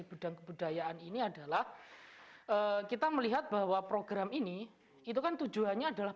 bidang kebudayaan ini adalah kita melihat bahwa program ini itu kan tujuannya adalah